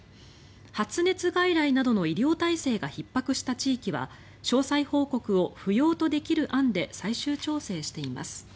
発熱外来などの医療体制がひっ迫した地域は詳細報告を不要とできる案で最終調整しています。